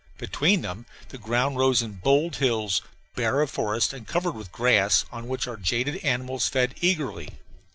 Between them the ground rose in bold hills, bare of forest and covered with grass, on which our jaded animals fed eagerly.